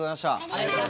ありがとう。